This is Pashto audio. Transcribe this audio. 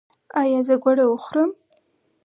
ایا زه باید ګوړه وخورم؟